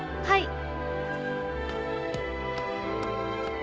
はい。